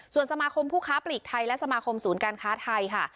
ส่วนสมาคมผู้ค้าปลีกไทยและสมาคมศูนย์การค้าไทยค่ะ